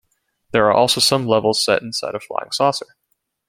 There are also some levels set inside a flying saucer.